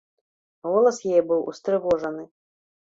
Голас яе быў устрывожаны.